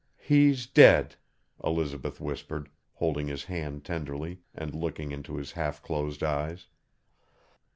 'He's dead,' Elizabeth whispered, holding his hand tenderly, and looking into his half closed eyes.